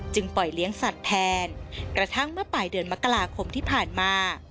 ปล่อยเลี้ยงสัตว์แทนกระทั่งเมื่อปลายเดือนมกราคมที่ผ่านมา